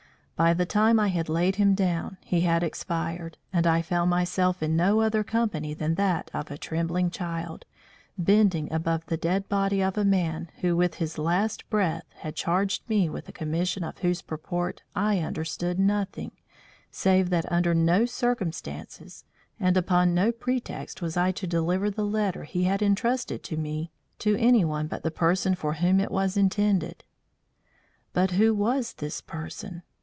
By the time I had laid him down he had expired, and I found myself, in no other company than that of a trembling child, bending above the dead body of a man who with his last breath had charged me with a commission of whose purport I understood nothing, save that under no circumstances and upon no pretext was I to deliver the letter he had entrusted to me, to anyone but the person for whom it was intended. But who was this person?